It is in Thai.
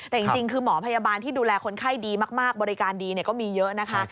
แต่จริงคือหมอพยาบาลที่ดูแลคนไข้ดีมากบริการดีก็มีเยอะนะคะ